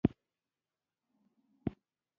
مه ځه دلته پاتې شه.